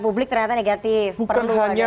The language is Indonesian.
publik ternyata negatif bukan hanya